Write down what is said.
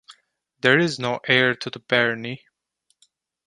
There is no heir to the barony.